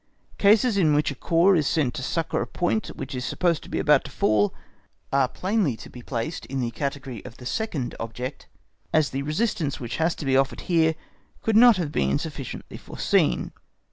Cases in which a corps is sent to succour a point which is supposed to be about to fall are plainly to be placed in the category of the second object, as the resistance which has to be offered here could not have been sufficiently foreseen.